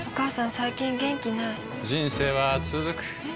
最近元気ない人生はつづくえ？